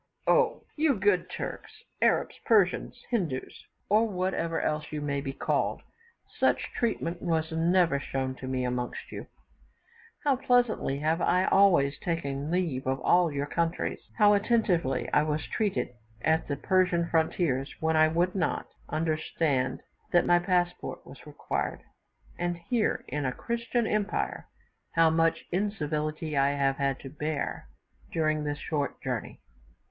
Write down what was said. Oh! you good Turks, Arabs, Persians, Hindoos, or whatever else you may be called, such treatment was never shown to me amongst you! How pleasantly have I always taken leave of all your countries; how attentively I was treated at the Persian frontiers, when I would not understand that my passport was required, and here, in a Christian empire, how much incivility have I had to bear during this short journey!